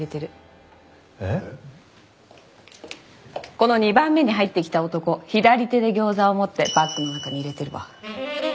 この２番目に入ってきた男左手で餃子を持ってバッグの中に入れてるわ。